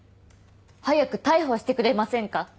早く逮捕してくれませんか？